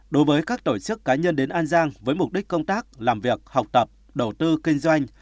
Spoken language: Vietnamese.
đối với các tổ chức cá nhân đến an giang với mục đích công tác làm việc học tập đầu tư kinh doanh